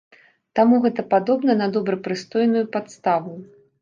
Таму гэта падобна на добрапрыстойную падставу.